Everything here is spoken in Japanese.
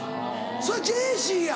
そりゃジェーシーや。